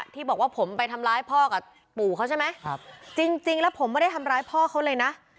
ที่บอกว่าผมไปทำร้ายพ่อกับปู่เขาใช่ไหมจริงแล้วผมไม่ได้ทำร้ายพ่อเขาเลยนะ